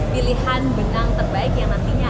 pilihan benang terbaik yang nantinya